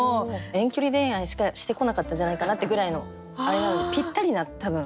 遠距離恋愛しかしてこなかったんじゃないかなってぐらいのあれなのでぴったりな多分。